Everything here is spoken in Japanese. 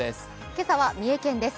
今朝は三重県です。